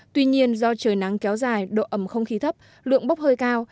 tuy nhiên do trời nắng kéo dài độ ẩm không khí thấp lượng bốc hơi cao